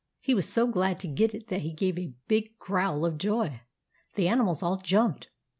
He was so glad to get it that he gave a big growl of joy. The animals all jumped.